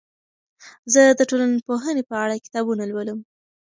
زه د ټولنپوهنې په اړه کتابونه لولم.